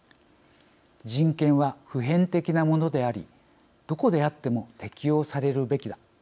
「人権は普遍的なものでありどこであっても適用されるべきだ」